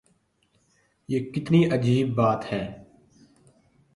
یہ کتنی عجیب بات ہے۔